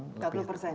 empat puluh persen ya